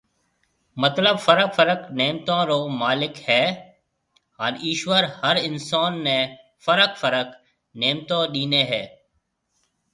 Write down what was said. مطلب فرق فرق نعمتون رو مالڪ هي هان ايشور هر انسون ني فرق فرق نعمتون ڏيني هي